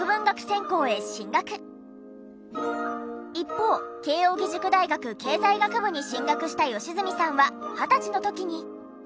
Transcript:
一方慶應義塾大学経済学部に進学した良純さんは２０歳の時に。